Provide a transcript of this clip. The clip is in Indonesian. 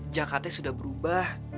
jaka teh sudah berubah